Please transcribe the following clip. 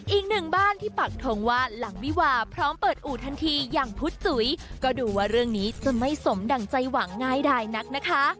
อีกหนึ่งบ้านที่ปักทงว่าหลังวิวาพร้อมเปิดอู่ทันทีอย่างพุทธจุ๋ยก็ดูว่าเรื่องนี้จะไม่สมดั่งใจหวังง่ายดายนักนะคะ